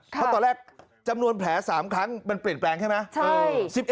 เพราะตอนแรกจำนวนแผล๓ครั้งมันเปลี่ยนแปลงใช่ไหม